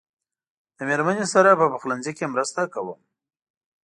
له مېرمنې سره په پخلنځي کې مرسته کوم.